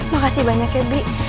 makasih banyak ya bi